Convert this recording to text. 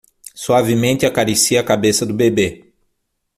Suavemente acaricie a cabeça do bebê